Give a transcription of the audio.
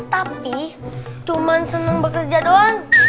tapi cuma seneng bekerja doang